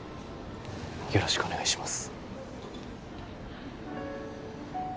よろしくお願いします